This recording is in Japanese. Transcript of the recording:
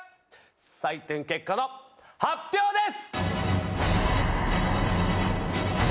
採点結果の発表です！